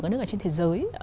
các nước ở trên thế giới